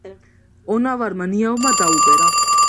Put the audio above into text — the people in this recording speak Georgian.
ონავარმა ნიავმა დაუბერა.